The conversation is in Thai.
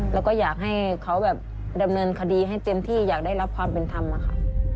แล้วก็อยากให้เขาแบบดำเนินคดีให้เต็มที่อยากได้รับความเป็นธรรมอะค่ะ